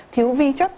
thiếu vi chất